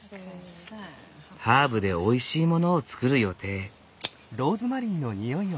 ハーブでおいしいものを作る予定。